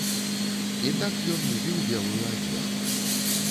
І так ён любіў белую адзежу.